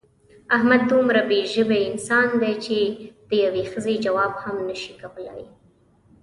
احمد دومره بې ژبې انسان دی چې د یوې ښځې ځواب هم نشي کولی.